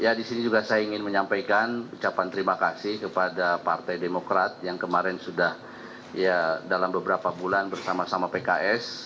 ya di sini juga saya ingin menyampaikan ucapan terima kasih kepada partai demokrat yang kemarin sudah ya dalam beberapa bulan bersama sama pks